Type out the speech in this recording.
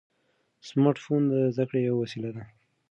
سمارټ فون د زده کړې یوه وسیله ده.